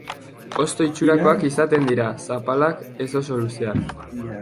Hosto-itxurakoak izaten dira, zapalak, ez oso luzeak.